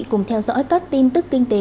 cùng theo dõi các tin tức kinh tế